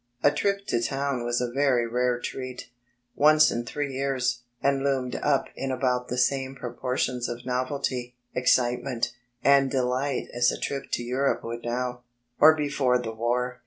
A trip to town was a very rare treat, once in three years, and loomed up in about the same proportions of novelty, excitement, and delight as a trip to Europe would now or before the war.